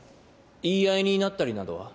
言い合いになったりなどは？